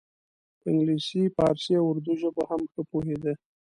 په انګلیسي پارسي او اردو ژبو هم ښه پوهیده.